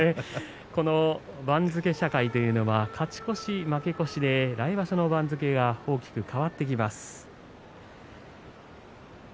この番付社会というのは勝ち越し、負け越しで来場所の番付が大きく変わってきます。